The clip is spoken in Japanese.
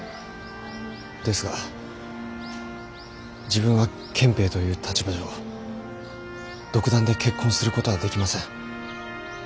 ですが自分は憲兵という立場上独断で結婚する事はできません。